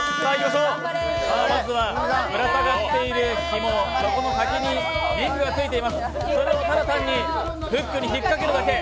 まずはぶら下がっているひもの先にリングがついています、それをただ単にフックに引っかけるだけ。